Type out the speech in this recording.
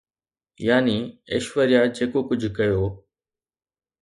يعني ايشوريا جيڪو ڪجهه ڪيو